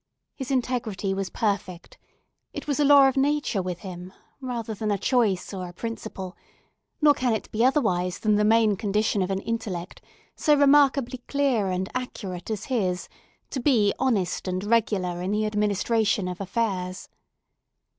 His integrity was perfect; it was a law of nature with him, rather than a choice or a principle; nor can it be otherwise than the main condition of an intellect so remarkably clear and accurate as his to be honest and regular in the administration of affairs.